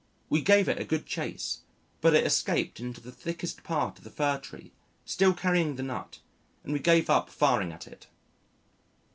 We gave it a good chase, but it escaped into the thickest part of the fir tree, still carrying the nut, and we gave up firing at it.